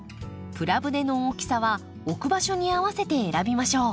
プラ舟の大きさは置く場所に合わせて選びましょう。